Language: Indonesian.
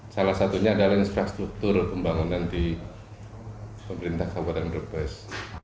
salah satunya adalah infrastruktur pembangunan di pemerintah kabupaten brebes